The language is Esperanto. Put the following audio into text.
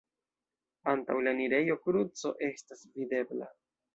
Antaŭ la enirejo kruco estas videbla.